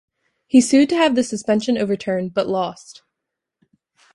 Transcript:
He sued to have the suspension overturned, but lost.